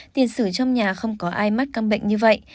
tiền sử trong nhà không có ai mắc căn bệnh như vậy